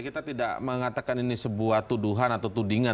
kita tidak mengatakan ini sebuah tuduhan atau tudingan